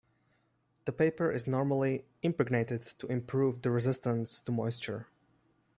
The paper is normally impregnated to improve the resistance to moisture.